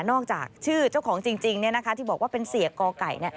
อกจากชื่อเจ้าของจริงที่บอกว่าเป็นเสียกอไก่